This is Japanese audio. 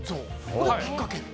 これがきっかけと。